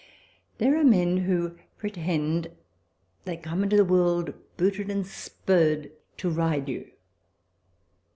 * There are men who pretend they come into the world booted and spurred to ride you.